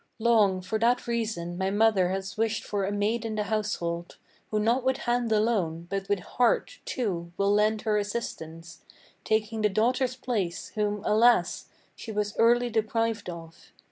Long for that reason my mother has wished for a maid in the household, Who not with hand alone, but with heart, too, will lend her assistance, Taking the daughter's place, whom, alas! she was early deprived of.